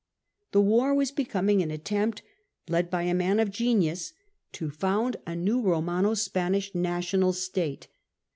The war was becoming an attempt, led by a man of genius, to found a new Eomano Spanish national state.